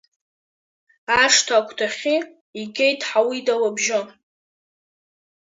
Ашҭа агәҭахьы игеит Ҳауида лыбжьы.